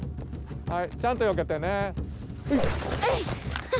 はいちゃんとよけてね。